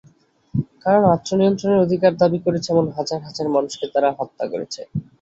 কারণ, আত্মনিয়ন্ত্রণের অধিকার দাবি করেছে এমন হাজার হাজার মানুষকে তারা হত্যা করেছে।